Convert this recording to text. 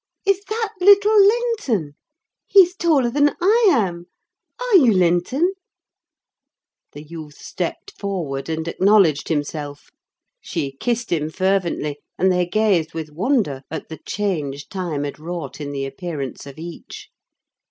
"Is that little Linton? He's taller than I am! Are you Linton?" The youth stepped forward, and acknowledged himself: she kissed him fervently, and they gazed with wonder at the change time had wrought in the appearance of each.